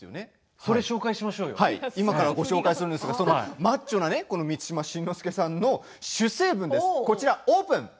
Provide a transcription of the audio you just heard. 今から紹介するんですがマッチョの満島真之介さんの主成分です。